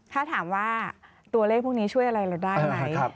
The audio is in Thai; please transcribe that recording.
ถ้าถามว่าตัวเลขพวกนี้ช่วยอะไรเราได้ไหม